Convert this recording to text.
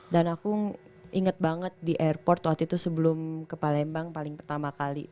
dan aku inget banget di airport waktu itu sebelum ke palembang paling pertama kali